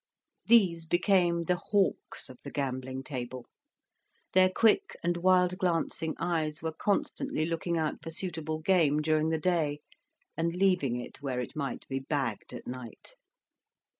These became the hawks of the gambling table; their quick and wild glancing eyes were constantly looking out for suitable game during the day, and leaving it where it might be bagged at night.